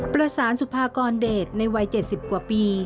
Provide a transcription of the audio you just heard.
ประสานสุภากรเดชในวัย๗๐กว่าปี